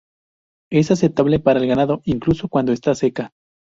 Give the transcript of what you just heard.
Es aceptable para el ganado, incluso cuando está seca.